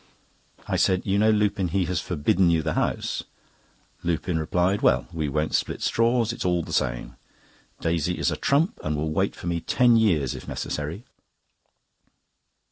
I said: "You know, Lupin, he has forbidden you the house." Lupin replied: "Well, we won't split straws—it's all the same. Daisy is a trump, and will wait for me ten years, if necessary."